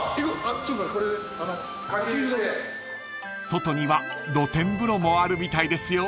［外には露天風呂もあるみたいですよ］